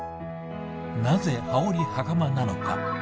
なぜ羽織はかまなのか？